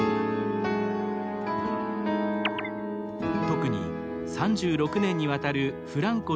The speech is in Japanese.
特に３６年にわたるフランコ